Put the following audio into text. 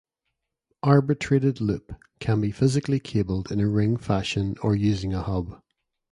Arbitrated loop can be physically cabled in a ring fashion or using a hub.